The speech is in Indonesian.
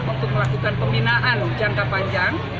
untuk melakukan pembinaan jangka panjang